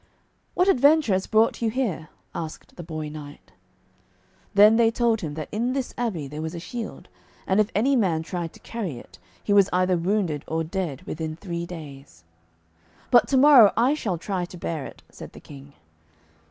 'What adventure has brought you here?' asked the boy knight. Then they told him that in this abbey there was a shield. And if any man tried to carry it, he was either wounded or dead within three days. 'But to morrow I shall try to bear it,' said the King.